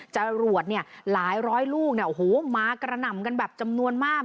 จรวดหลายร้อยลูกมากระหน่ำกันแบบจำนวนมาก